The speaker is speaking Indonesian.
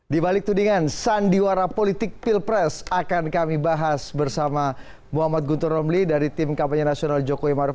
di balik tudingan sandiwara politik pilpres akan kami bahas bersama muhammad guntur romli dari tim kampanye nasional jokowi maruf